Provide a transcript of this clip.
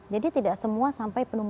jadi tidak semua sampai pneumonia